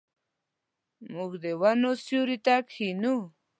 موږ د ونو سیوري ته کښینو.